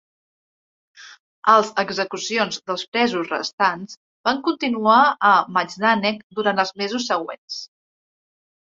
Els execucions dels presos restants van continuar a Majdanek durant els mesos següents.